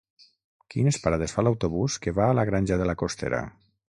Quines parades fa l'autobús que va a la Granja de la Costera?